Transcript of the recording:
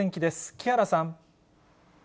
木原さん。